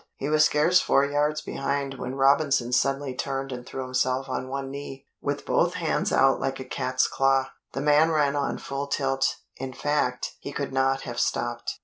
He was scarce four yards behind when Robinson suddenly turned and threw himself on one knee, with both hands out like a cat's claws. The man ran on full tilt; in fact, he could not have stopped.